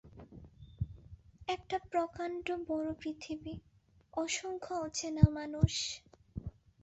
একটা প্রকাণ্ড বড় পৃথিবী, অসংখ্য অচেনা মানুষ।